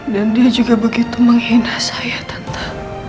dan dia juga begitu menghina saya tante